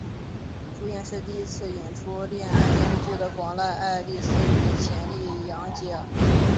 主演是第一次演出恋爱电视剧的广濑爱丽丝与浅利阳介。